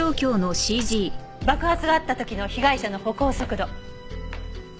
爆発があった時の被害者の歩行速度。